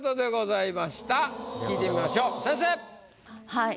はい。